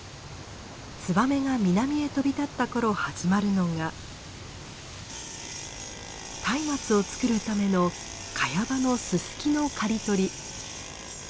ツバメが南へ飛び立った頃始まるのが松明をつくるためのカヤ場のススキの刈り取り。